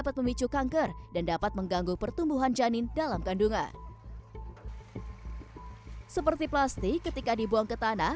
ditemukan cemaran mikroplastik di sedimen hulu sungai citarum dengan konsentrasi sekitar lima belas partikel per seratus gram sedimen basah